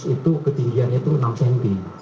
itu ketinggiannya enam cm